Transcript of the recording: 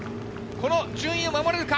この順位を守れるか？